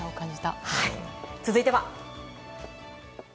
続いては。